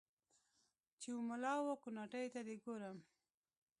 چې و مـــلا و کوناټیــــو ته دې ګورم